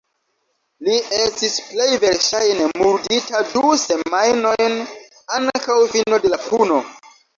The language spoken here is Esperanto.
Li estis plej verŝajne murdita du semajnojn antaŭ fino de la puno.